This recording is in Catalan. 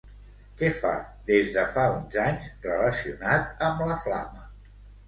Què fa des de fa uns anys relacionat amb la Flama?